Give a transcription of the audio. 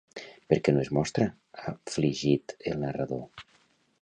Per què no es mostra afligit el narrador?